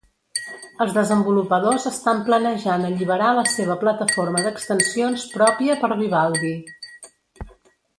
Els desenvolupadors estan planejant alliberar la seva plataforma d'extensions pròpia per Vivaldi.